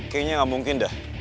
kayaknya gak mungkin dah